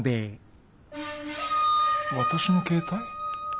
私の携帯？